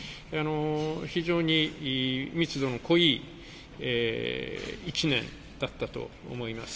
非常に密度の濃い１年だったと思います。